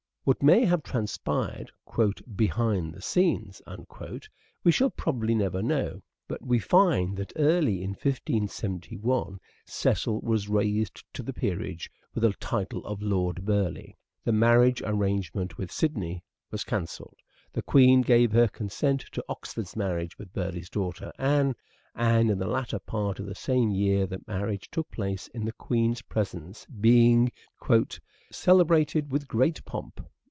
What may have transpired " behind the scenes " we shall probably never know ; but we find that early in 1571 Cecil was raised to the peerage with the title of Lord Burleigh, the marriage arrangement with Sidney was cancelled, the Queen gave her consent to Oxford's marriage with Burleigh's daughter Anne, and in the latter part of the same year the marriage took place in the Queen's presence, being " celebrated with great pomp